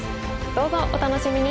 どうぞお楽しみに！